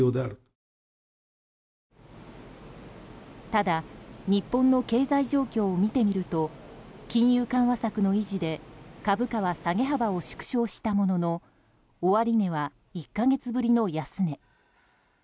ただ、日本の経済状況を見てみると金融緩和策の維持で株価は下げ幅を縮小したものの終値は１か月ぶりの安値。